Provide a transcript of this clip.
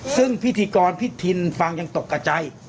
ซึ่งพิธีกรพิธินฟังยังตกกับใจ